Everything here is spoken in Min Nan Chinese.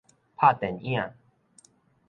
拍電影